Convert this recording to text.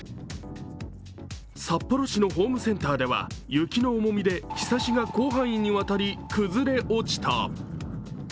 札幌市のホームセンターでは雪の重みでひさしが広範囲にわたり崩れ落ちた。